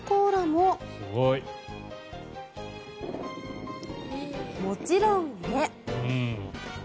もちろん絵。